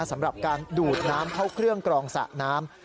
สำหรับการดูดน้ำเข้าเครื่องกรองสระน้ำ